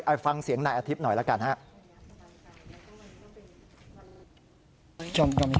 ไปฟังเสียงนายอาทิพย์หน่อยแล้วกันฮะ